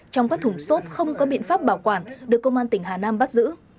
trong các thùng xốp không có biện pháp bảo quản được công an tỉnh hà nam bắt giữ